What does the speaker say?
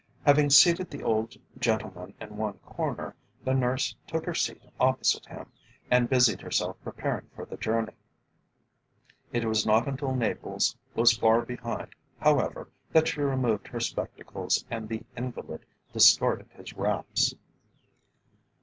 Having seated the old gentleman in one corner, the nurse took her seat opposite him, and busied herself preparing for the journey. It was not until Naples was far behind, however, that she removed her spectacles and the invalid discarded his wraps.